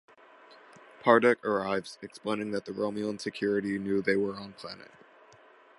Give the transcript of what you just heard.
Pardek arrives, explaining that Romulan security knew they were on-planet.